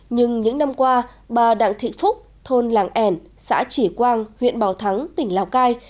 nhưng những năm qua bà đặng thị phúc thôn làng ẻn xã chỉ quang huyện bảo thắng tỉnh lào cai